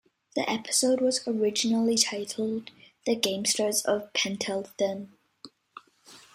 The episode was originally titled "The Gamesters of Pentathlan".